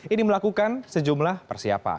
ini melakukan sejumlah persiapan